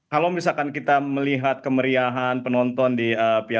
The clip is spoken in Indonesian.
kalau misalkan kita melihat kemeriahan penonton di piala dunia